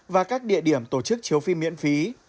và các địa điểm tổ chức chiếu phim miễn phí